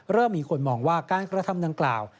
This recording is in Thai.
เริ่มมีคนมองว่าการกระทำดังกล่าว